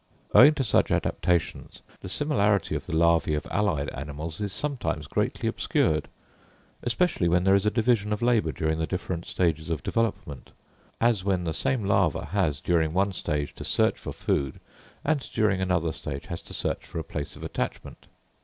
Owing to such adaptations the similarity of the larvæ of allied animals is sometimes greatly obscured; especially when there is a division of labour during the different stages of development, as when the same larva has during one stage to search for food, and during another stage has to search for a place of attachment.